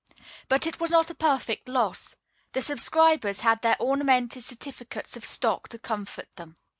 But it was not a perfect loss. The subscribers had their ornamented certificates of stock to comfort them.